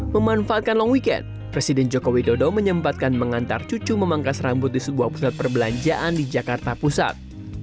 memanfaatkan long weekend presiden joko widodo menyempatkan mengantar cucu memangkas rambut di sebuah pusat perbelanjaan di jakarta pusat